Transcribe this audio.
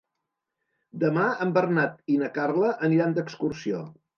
Demà en Bernat i na Carla aniran d'excursió.